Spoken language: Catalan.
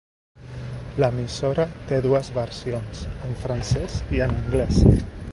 L'emissora té dues versions: en francès i en anglès.